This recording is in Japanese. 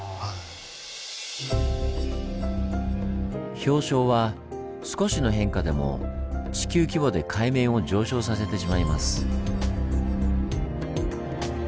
氷床は少しの変化でも地球規模で海面を上昇させてしまいます。